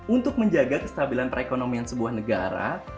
untuk menjaga kestabilan perekonomian sebuah negara